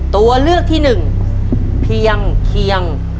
ตัวเลือกที่หนึ่งเพียงเคียง